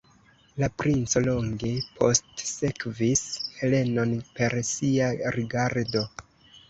La princo longe postsekvis Helenon per sia rigardo.